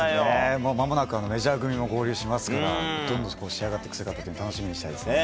もう間もなく、メジャー組も合流しますから、どんどん仕上がっていく姿って楽しみにしたいですね。